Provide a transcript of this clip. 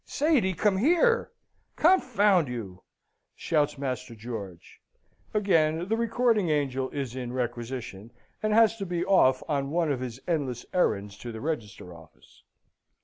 "Sady, come here! Confound you!" shouts Master George. (Again the recording angel is in requisition, and has to be off on one of his endless errands to the register office.)